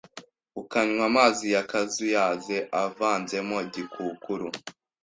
ukanywa amazi yakazuyaze avanzemo gikukuru